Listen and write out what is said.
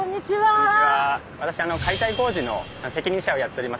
私解体工事の責任者をやっております